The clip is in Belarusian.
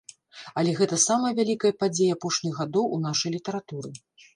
Але гэта самая вялікая падзея апошніх гадоў у нашай літаратуры.